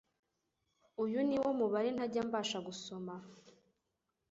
uyu niwo mubare ntujyambasha gusoma